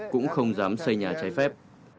cũng không dám xây nhà trái phép